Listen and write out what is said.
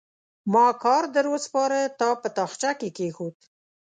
ما کار در وسپاره؛ تا په تاخچه کې کېښود.